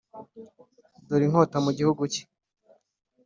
'dore inkota mu hitugu cye.